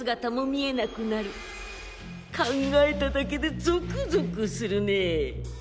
考えただけでゾクゾクするねえ。